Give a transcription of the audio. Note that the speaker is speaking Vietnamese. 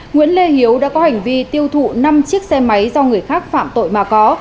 nguyễn lê hiếu đã có hành vi tiêu thụ năm chiếc xe máy do người khác phạm tội mà có